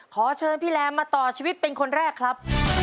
ขอเชิญพี่แรมมาต่อชีวิตเป็นคนแรกครับ